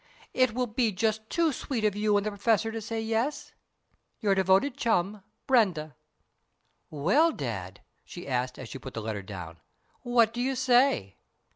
It will be just too sweet of you and the Professor to say 'yes.' Your devoted chum, BRENDA." "Well, Dad," she asked, as she put the letter down, "what do you say?"